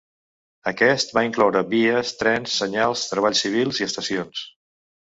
Aquest va incloure vies, trens, senyals, treballs civils i estacions.